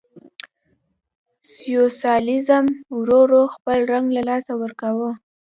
سوسیالیزم ورو ورو خپل رنګ له لاسه ورکاوه.